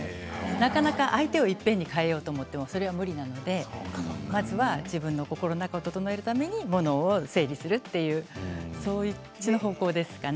なかなか相手を、いっぺんに変えようと思っても無理なのでまずは自分の心の中を整えるためにものを整理するということですね。